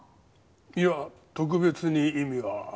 いや特別に意味は。